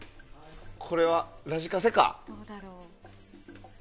これは、ラジカセか？